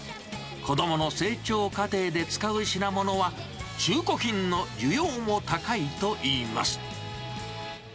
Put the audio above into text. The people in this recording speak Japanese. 子どもの成長過程で使う品物は、中古品の需要も高いといいます。